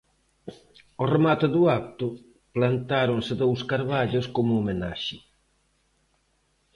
Ao remate do acto plantáronse dous carballos como homenaxe.